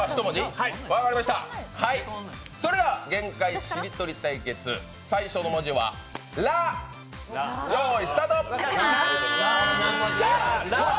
分かりました、それでは限界しりとり対決、最初の文字は「ら」、用意、スタート。